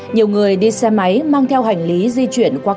nhiều người đi xe máy mang theo hành lý di chuyển qua các